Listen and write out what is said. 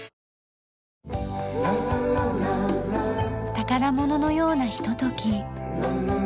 宝物のようなひととき。